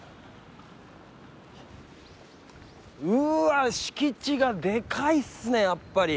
うわ敷地がでかいっすねやっぱり。